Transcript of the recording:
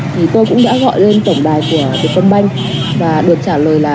thì tôi cũng đã gọi lên tổng đài của việt công banh và được trả lời là